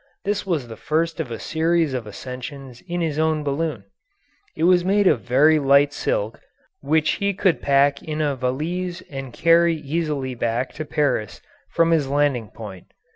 This was the first of a series of ascensions in his own balloon. It was made of very light silk, which he could pack in a valise and carry easily back to Paris from his landing point.